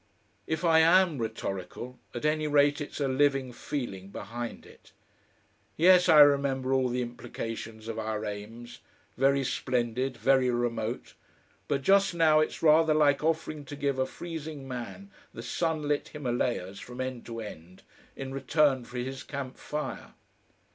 "If I am rhetorical, at any rate it's a living feeling behind it. Yes, I remember all the implications of our aims very splendid, very remote. But just now it's rather like offering to give a freezing man the sunlit Himalayas from end to end in return for his camp fire.